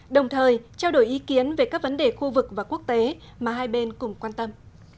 đồng thời trao đổi ý kiến về các vấn đề khu vực và quốc tế mà hai bên cùng quan tâm